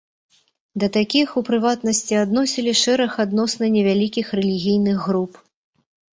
Да такіх, у прыватнасці адносілі шэраг адносна невялікіх рэлігійных груп.